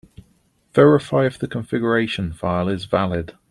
Verify if the configuration file is valid.